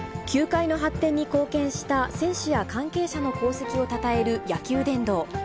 球界の発展に貢献した選手や関係者の功績をたたえる野球殿堂。